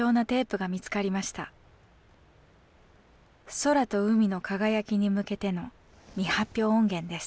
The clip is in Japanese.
「空と海の輝きに向けて」の未発表音源です。